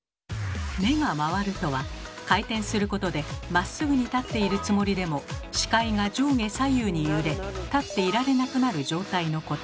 「目が回る」とは回転することでまっすぐに立っているつもりでも視界が上下左右に揺れ立っていられなくなる状態のこと。